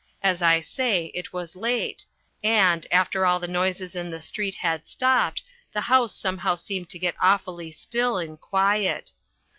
As I say, it was late, and, after all the noises in the street had stopped, the house somehow seemed to get awfully still and quiet.